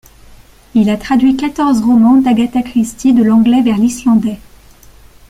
Il a traduit quatorze romans d'Agatha Christie de l'anglais vers l'islandais.